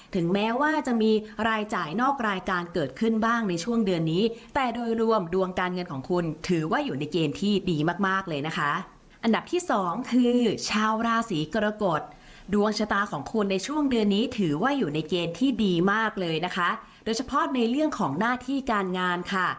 ถึงแม้ว่าจะมีรายจ่ายนอกรายการเกิดขึ้นบ้างในช่วงเดือนนี้แต่โดยรวมดวงการเงินของคุณถือว่าอยู่ในเกณฑ์ที่ดีมากเลยนะคะ